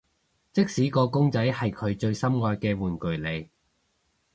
即使個公仔係佢最心愛嘅玩具嚟